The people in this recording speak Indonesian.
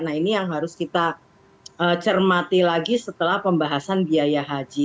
nah ini yang harus kita cermati lagi setelah pembahasan biaya haji